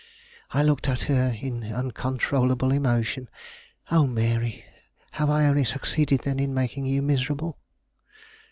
'" I looked at her in uncontrollable emotion. "Oh, Mary, have I only succeeded, then, in making you miserable?"